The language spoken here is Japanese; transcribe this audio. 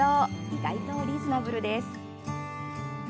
意外とリーズナブルです。